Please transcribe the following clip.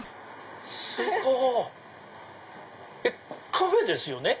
カフェですよね？